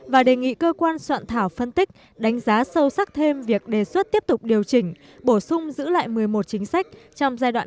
và đề nghị cơ quan soạn thảo phân tích đánh giá sâu sắc thêm việc đề xuất tiếp tục điều chỉnh bổ sung giữ lại một mươi một chính sách trong giai đoạn hai nghìn hai mươi một